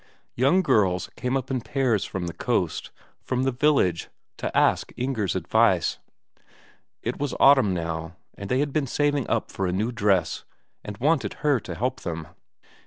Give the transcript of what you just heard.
Young girls came up in pairs from the coast, from the village, to ask Inger's advice; it was autumn now, and they had been saving up for a new dress, and wanted her to help them.